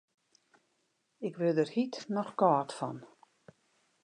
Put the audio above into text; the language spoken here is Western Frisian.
Ik wurd der hjit noch kâld fan.